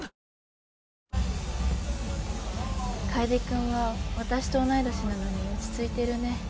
楓君は私と同い年なのに落ち着いてるね。